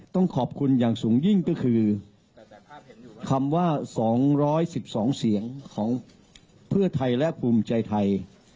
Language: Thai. ต้องขอบคุณอย่างสูงยิ่งก็คือคำว่า๒๑๒เสียงของเพื่อไทยและภูมิใจไทย